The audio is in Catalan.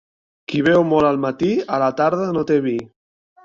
Qui beu molt al matí, a la tarda no té vi.